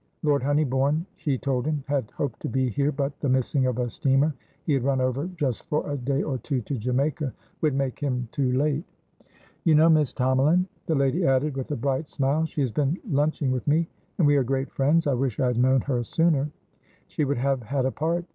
Lord Honeybourne, she told him, had hoped to be here, but the missing of a steamer (he had run over, just for a day or two, to Jamaica) would make him too late. "You know Miss Tomalin?" the lady added with a bright smile. "She has been lunching with me, and we are great friends. I wish I had known her sooner; she would have had a part.